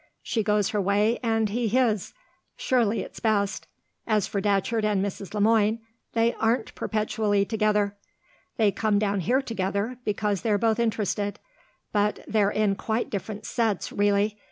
She goes her way and he his. Surely it's best. As for Datcherd and Mrs. Le Moine they aren't perpetually together. They come down here together because they're both interested; but they're in quite different sets, really.